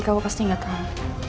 kau pasti gak tau